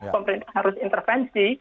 pemerintah harus intervensi